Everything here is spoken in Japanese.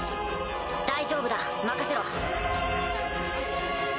大丈夫だ任せろ。